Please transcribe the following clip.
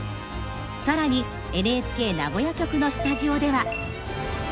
更にＮＨＫ名古屋局のスタジオでは。